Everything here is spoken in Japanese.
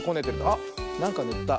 あっなんかぬった。